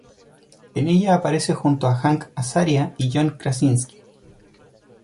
En ella aparece junto a Hank Azaria y John Krasinski.